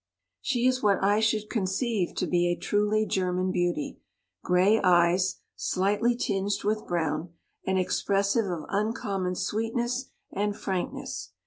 She is what I should conceive to be a truly German beauty ; grey eyes, slightly tinged with brown, and expressive of uncommon sweetness and frankness.